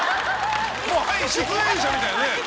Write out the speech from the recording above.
もはや出演者みたいなね。